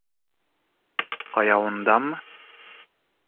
Ҡаяуындамы?